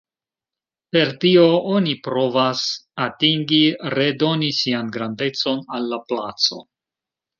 Per tio oni provas atingi redoni 'sian grandecon' al la placo.